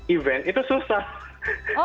event itu susah